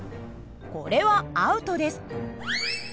これはアウトです。